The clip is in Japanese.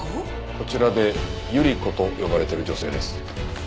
こちらでゆり子と呼ばれている女性です。